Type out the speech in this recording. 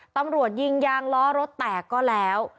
ตำรวจยิงยางล้อรถแตกก็แล้ว